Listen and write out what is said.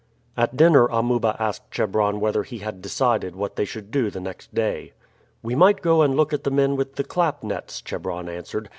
At dinner Amuba asked Chebron whether he had decided what they should do the next day. "We might go and look at the men with the clap nets," Chebron answered.